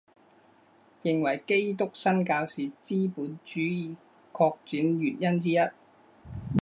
认为基督新教是资本主义扩展原因之一。